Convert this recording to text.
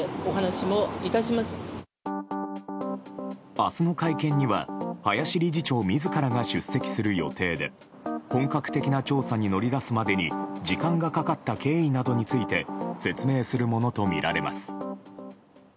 明日の会見には林理事長自らが出席する予定で本格的な調査に乗り出すまでに時間がかかった経緯などについて説明するものとみられます。